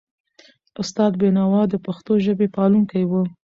استاد بینوا د پښتو ژبي پالونکی و.